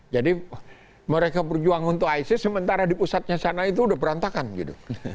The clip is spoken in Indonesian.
jadi mereka berjuang untuk isis sementara di pusatnya sana itu udah berantakan gitu